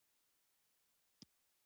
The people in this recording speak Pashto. سهار د نوې ورځې سندره ده.